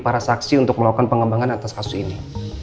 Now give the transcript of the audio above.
para saksi untuk melakukan pengembangan atas kasus ini